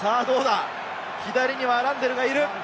左側にはアランデルがいる。